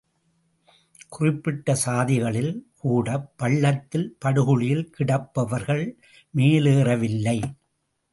குறிப்பிட்ட சாதிகளில் கூடப் பள்ளத்தில், படுகுழியில் கிடப்பவர்கள் மேலேறவில்லை.